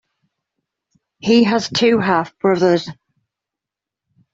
He has two half-brothers.